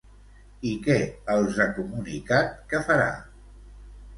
I què els ha comunicat que farà?